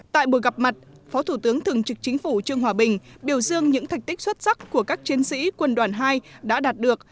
tại buổi gặp mặt phó thủ tướng thường trực chính phủ trương hòa bình biểu dương những thạch tích xuất sắc của các chiến sĩ quân đoàn hai đã đạt được